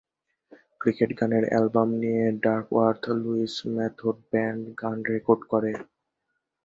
Cricket গানের album নিয়ে Duckworth Lewis method band গান রেকর্ড করে।